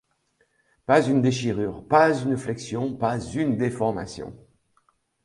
Pas une déchirure, pas une flexion, pas une déformation.